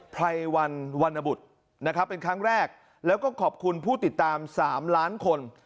ไพรวันวรรณบุตรนะครับเป็นครั้งแรกแล้วก็ขอบคุณผู้ติดตาม๓ล้านคน